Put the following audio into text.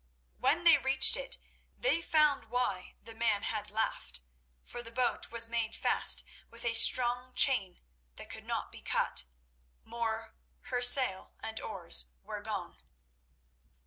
When they reached it, they found why the man had laughed, for the boat was made fast with a strong chain that could not be cut; more, her sail and oars were gone.